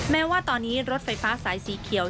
แม้ว่าตอนนี้รถไฟฟ้าสายสีเขียว